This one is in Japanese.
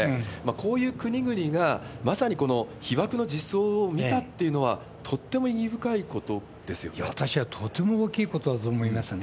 こういう国々が、まさにこの被爆の実像を見たっていうのは、とっても意義深いこといや、私はとても大きいことだと思いますね。